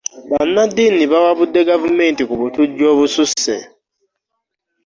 Bannaddiini bawabude gavumenti ku butujju obususe.